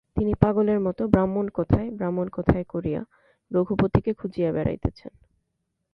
তিনি পাগলের মতো ব্রাহ্মণ কোথায় ব্রাহ্মণ কোথায় করিয়া রঘুপতিকে খুঁজিয়া বেড়াইতেছেন।